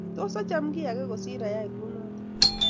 Tos acham kiy age kosiir ayay kunoto